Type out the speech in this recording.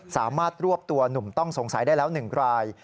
สามารถรวบตัวหนุ่มต้องสงสัยได้แล้ว๑ราย